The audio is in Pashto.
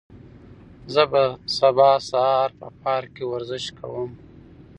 زه به سبا سهار په پارک کې ورزش کوم.